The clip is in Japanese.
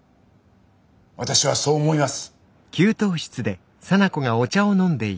私はそう思います。